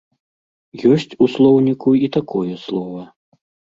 Ёсць у слоўніку і такое слова.